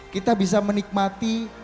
kita bisa menikmati